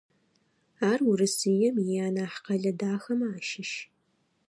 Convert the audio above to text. Ар Урысыем ианахь къэлэ дахэмэ ащыщ.